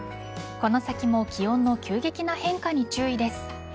この先も気温の急激な変化に注意です。